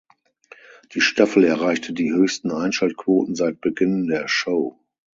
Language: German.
Die Staffel erreichte die höchsten Einschaltquoten seit Beginn der Show.